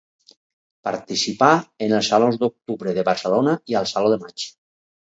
Participà en els Salons d'Octubre de Barcelona i al Saló de maig.